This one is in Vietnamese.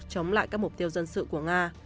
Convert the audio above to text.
chống lại các mục tiêu dân sự của nga